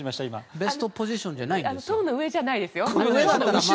ベストポジションじゃないんです。